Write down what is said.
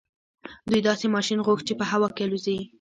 دوی داسې ماشين غوښت چې په هوا کې الوځي.